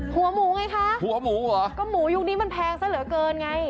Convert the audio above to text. หัวหมูไงคะก็หมูช่วยุคนี้แพงแสละเกินไง